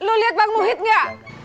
lu liat bang muhyiddin gak